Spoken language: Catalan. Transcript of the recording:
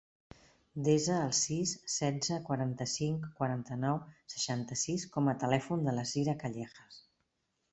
Desa el sis, setze, quaranta-cinc, quaranta-nou, seixanta-sis com a telèfon de la Sira Callejas.